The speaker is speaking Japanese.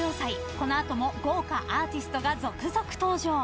この後も豪華アーティストが続々登場。